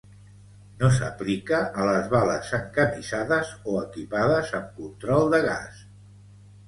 No s'aplica a les bales encamisades o equipades amb control de gas.